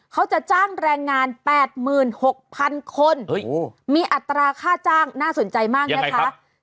เขาจะจ้างแรงงาน๘๖๐๐๐คนมีอัตราค่าจ้างน่าสนใจมากนะคะ